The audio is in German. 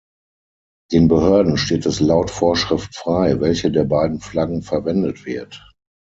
Den Behörden steht es laut Vorschrift frei, welche der beiden Flaggen verwendet wird.